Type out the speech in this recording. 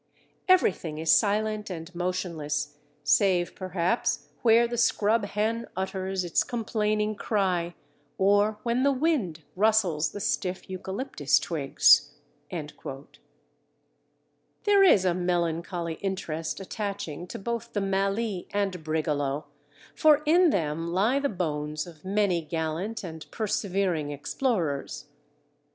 Everything is silent and motionless save perhaps where the scrub hen utters its complaining cry, or when the wind rustles the stiff eucalyptus twigs." Drude, Vegetation der Erde. Drude, l.c. There is a melancholy interest attaching to both the Mallee and Brigalow, for in them lie the bones of many gallant and persevering explorers.